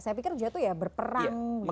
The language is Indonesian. saya pikir jihad itu ya berperang gitu